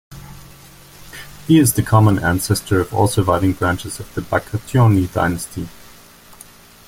He is the common ancestor of all surviving branches of the Bagrationi dynasty.